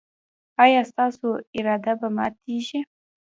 ایا ستاسو اراده به ماتیږي؟